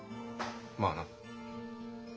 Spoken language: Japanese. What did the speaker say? まあな。